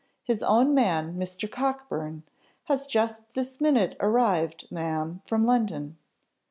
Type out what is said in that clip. His own man, Mr. Cockburn, has just this minute arrived, ma'am from London."